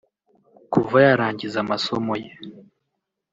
Kuva yarangiza amasomo ye